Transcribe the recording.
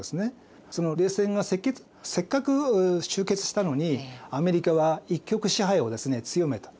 冷戦がせっかく終結したのにアメリカは一極支配を強めた。